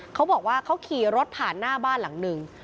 เขาบอกว่าเขาขี่รถผ่านหน้าบ้านหลังหนึ่ง